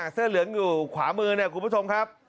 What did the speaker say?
เสื้อเหลืองอยู่ขวามือเนี่ยคุณผู้ชมครับ